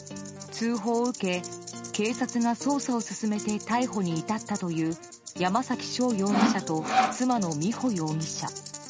通報を受け警察が捜査を進めて逮捕に至ったという山崎翔容疑者と妻の美穂容疑者。